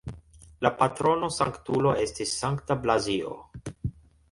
La patrono-sanktulo estis Sankta Blazio.